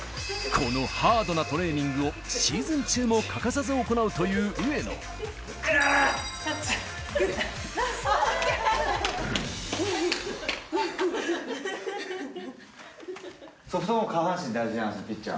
このハードなトレーニングをシーズン中も欠かさず行うといううー！